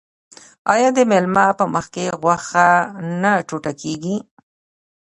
آیا د میلمه په مخکې غوښه نه ټوټه کیږي؟